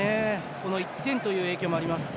この１点という影響もあります。